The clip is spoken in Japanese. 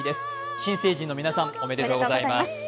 新成人の皆さん、おめでとうございます。